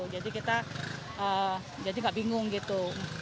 jadi kita gak bingung gitu